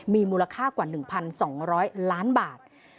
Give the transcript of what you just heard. มีมูลค่ากว่า๑๒๐๐ล้านบาท